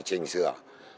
chỉnh sửa bảy